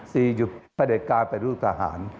สีอยู่ประเด็นการประดูกทหาร